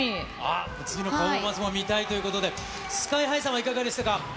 あっ、次のパフォーマンスも見たいということで、ＳＫＹーＨＩさんはいかがでしたか？